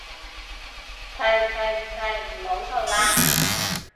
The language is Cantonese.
停停停唔好嘈喇